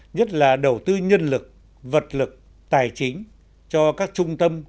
nhất là đầu tư nhân lực vật lực tài chính cho các trung tâm